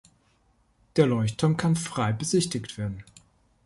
Der Leuchtturm kann frei besichtigt werden.